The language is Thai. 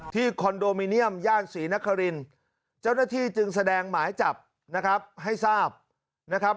คอนโดมิเนียมย่านศรีนครินเจ้าหน้าที่จึงแสดงหมายจับนะครับให้ทราบนะครับ